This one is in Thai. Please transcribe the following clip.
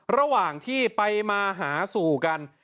ระหว่างที่ไปมาหาสู่กัน